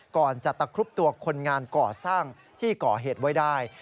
ก่อนจะตะครุบตัวคนงานก่อสร้างที่ก่อเหตุไว้ได้